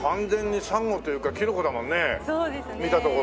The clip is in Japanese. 見たところ。